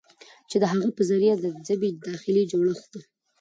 چې د هغه په ذريعه د ژبې داخلي جوړښت